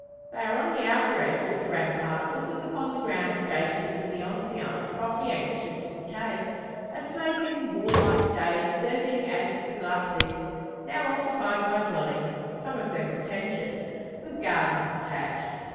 They are on the outer edge of the rampart, looking upon the ground adjacent to the enceinte of the ancient cite. A slope in warlike days serving as the glacis, now occupied by dwellings, some of them pretentious, with gardens attached.